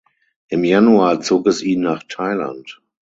Im Januar zog es ihn nach Thailand.